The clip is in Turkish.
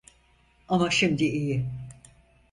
Ama şimdi iyi.